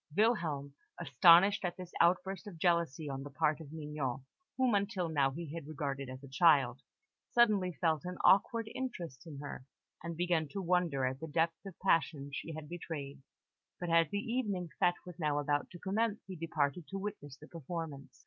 Wilhelm, astonished at this outburst of jealousy on the part of Mignon whom until now he had regarded as a child suddenly felt an awakened interest in her, and began to wonder at the depth of passion she had betrayed; but as the evening fête was now about to commence, he departed to witness the performance.